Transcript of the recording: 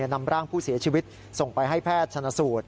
นำร่างผู้เสียชีวิตส่งไปให้แพทย์ชนะสูตร